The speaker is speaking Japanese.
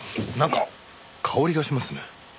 なんか香りがしますね。